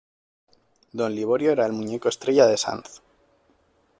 Don Liborio era el muñeco estrella de Sanz.